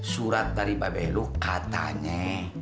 surat dari babelu katanya